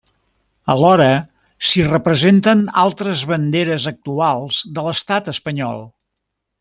Alhora s'hi representen altres banderes actuals de l'Estat Espanyol.